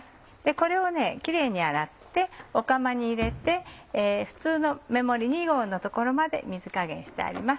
これをキレイに洗って釜に入れて普通の目盛り２合の所まで水加減してあります。